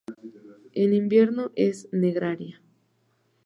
En invierno es gregaria.